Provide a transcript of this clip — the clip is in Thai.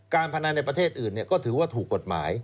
พนันในประเทศอื่นก็ถือว่าถูกกฎหมาย